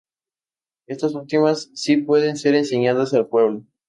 Estas últimas sí pueden ser enseñadas al pueblo.